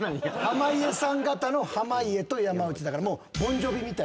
濱家さん方の濱家と山内だから。